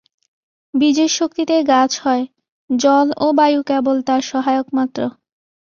বীজের শক্তিতেই গাছ হয়, জল ও বায়ু কেবল তার সহায়ক মাত্র।